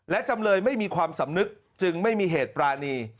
และจำเลยไม่มีความสำนึกจึงไม่มีเหตุปรานี